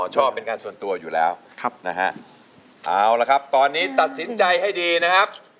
ชอบเป็นการส่วนตัวอยู่แล้วนะฮะเอาละครับตอนนี้ตัดสินใจให้ดีนะครับ